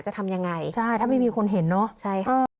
จะทำยังไงใช่ถ้าไม่มีคนเห็นเนอะใช่ค่ะ